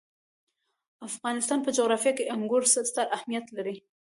د افغانستان په جغرافیه کې انګور ستر اهمیت لري.